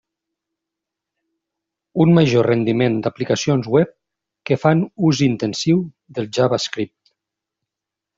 Un major rendiment d'aplicacions web que fan ús intensiu del JavaScript.